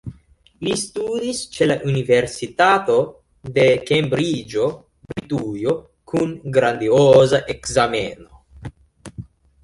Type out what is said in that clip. Li studis ĉe la universitato de Kembriĝo, Britujo kun grandioza ekzameno.